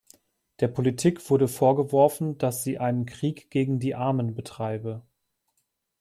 Der Politik wurde vorgeworfen, dass sie einen „Krieg gegen die Armen“ betreibe.